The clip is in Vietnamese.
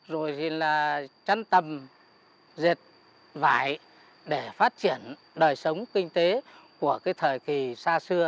rồi thì là chăn tầm dệt vải để phát triển đời sống kinh tế của cái thời kỳ xa xưa